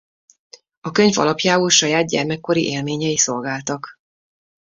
A könyv alapjául saját gyerekkori élményei szolgáltak.